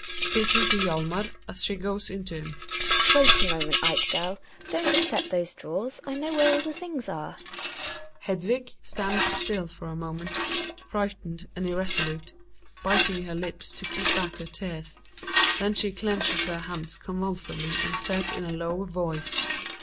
(Speaking to Hjalmar as she goes in to him.) Wait a moment, Ekdal, don't upset those drawers, I know where all the things are. Hedvig (stands stUl for a moment, frightened and irresolute, biting her lips to keep back her tears, then she clenches her hands convulsively and says in a low voice).